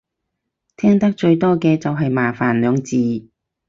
聽得最多嘅就係麻煩兩字